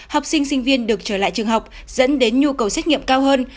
học sinh sinh viên được trở lại trường học dẫn đến nhu cầu xét nghiệm cao hơn